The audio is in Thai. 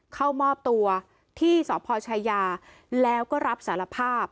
เข้ามอบตัวที่สพชายาแล้วก็รับสารภาพ